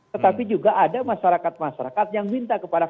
tetapi juga ada masyarakat masyarakat yang minta kepada